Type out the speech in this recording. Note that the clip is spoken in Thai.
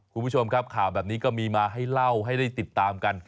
คุณผู้ชมครับข่าวแบบนี้ก็มีมาให้เล่าให้ได้ติดตามกัน